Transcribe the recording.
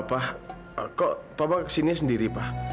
pak kok papa kesini sendiri pak